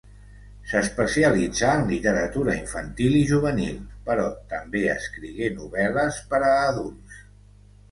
S'especialitzà en literatura infantil i juvenil, però també escrigué novel·les per a adults.